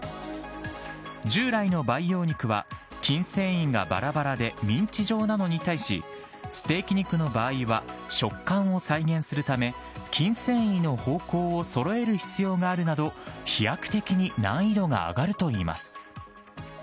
従来の培養肉は筋繊維がばらばらでミンチ状なのに対し、ステーキ肉の場合は食感を再現するため、筋繊維の方向をそろえる必要があるなど、飛躍的に難易度が上がるといいます。